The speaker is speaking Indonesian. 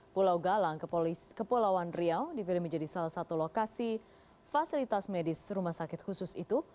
pulau galang kepulauan riau dipilih menjadi salah satu lokasi fasilitas medis rumah sakit khusus itu